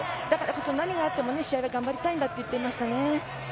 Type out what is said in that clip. だからこそ何があっても試合で頑張りたいと言っていました。